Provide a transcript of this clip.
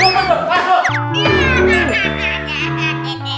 masuk masuk masuk